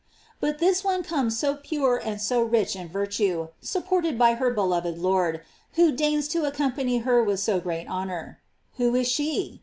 But this one comes so pure and so rich in virtue, supported by her belov ed Lord, who deigns to accompany her with so great honor. Who is she